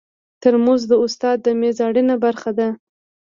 ترموز د استاد د میز اړینه برخه ده.